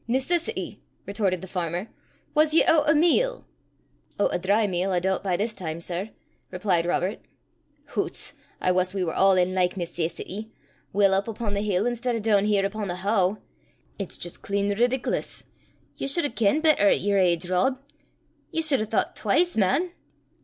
"Necessity!" retorted the farmer. "Was ye oot o' meal?" "Oot o' dry meal, I doobt, by this time, sir," replied Robert. "Hoots! I wuss we war a' in like necessity weel up upo' the hill i'stead o' doon here upo' the haugh (river meadow). It's jist clean ridic'lous. Ye sud hae kenned better at your age, Rob. Ye sud hae thoucht twise, man."